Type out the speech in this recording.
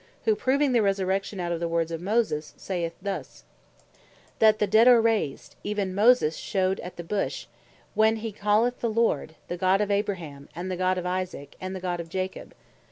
who proving the Resurrection out of the word of Moses, saith thus, "That the dead are raised, even Moses shewed, at the bush, when he calleth the Lord, the God of Abraham, and the God of Isaac, and the God of Jacob.